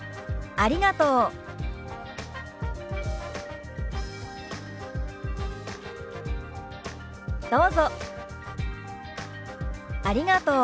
「ありがとう」。